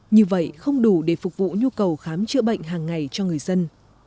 như vậy không đủ để phục vụ nhu cầu khám chữa bệnh hàng ngày cho người dân